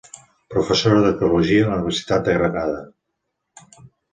Professora d'arqueologia a la Universitat de Granada.